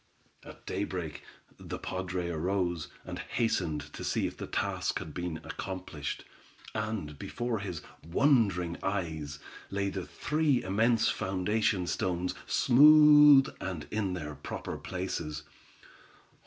At daybreak the padre arose, and hastened to see if the task had been accomplished, and before his wondering eyes, lay the three immense foundation stones, smooth, and in their proper places.